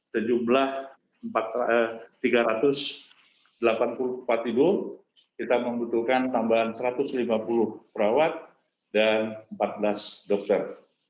sejumlah tiga ratus delapan puluh empat ibu kita membutuhkan tambahan satu ratus lima puluh perawat dan empat belas dokter